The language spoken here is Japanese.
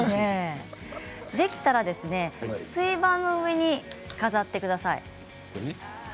できたら水盤の上に飾ってください。